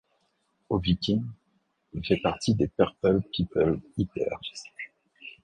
Aux Vikings, il fait partie des Purple People Eaters.